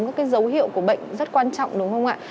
các cái dấu hiệu của bệnh rất quan trọng đúng không ạ